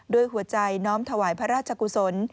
ด้วยหัวใจน้อมถวายพระราชกุศล